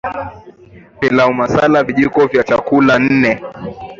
Pilau masala Vijiko vya chakula nne